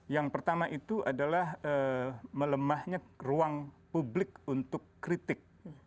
yang pertama itu adalah melemahnya ruang publik untuk kritik